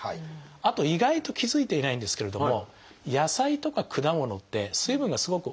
あと意外と気付いていないんですけれども野菜とか果物って水分がすごく多いんですよね。